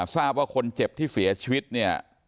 ทราบว่าคนเจ็บที่เสียชีวิตเนี่ย